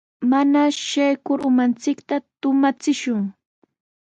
Mana shaykur umanchikta tumachishun.